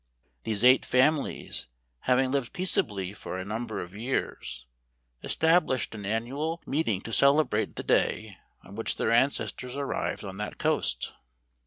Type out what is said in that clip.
These eight families, having lived peaceably for a number of years, established an annual meet¬ ing, to celebrate the day on which their ances¬ tors arrived on that coast.